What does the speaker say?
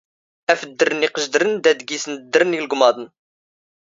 ⴰⴼ ⴷⴷⵔⵏ ⵉⵇⵇⵊⴷⵔⵏ ⴷ ⴰⴷ ⴳⵉⵙⵏ ⴷⴷⵔⵏ ⵉⵍⴳⵎⴰⴹⵏ.